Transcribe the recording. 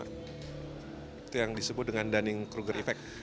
itu yang disebut dengan dunning cruger effect